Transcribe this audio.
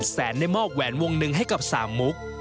แสนได้มอบแหวนวงหนึ่งให้กับสามมุก